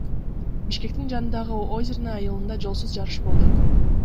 Бишкектин жанындагы Озерное айылында жолсуз жарыш болду.